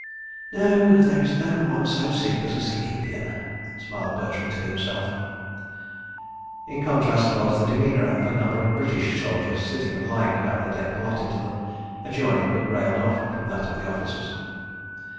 "No, there is no one so sick as a sick Indian," smiled Bertram to himself. In contrast was the demeanour of a number of British soldiers sitting and lying about the deck allotted to them, adjoining but railed off from that of the officers.